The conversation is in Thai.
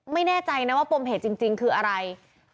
ไม่แน่ใจนะว่าปมเหตุจริงคืออะไร